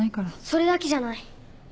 それだけじゃない。